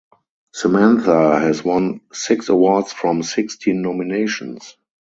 Samantha has won six awards from sixteen nominations.